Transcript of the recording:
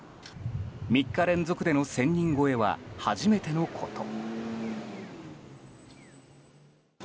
３日連続での１０００人超えは初めてのこと。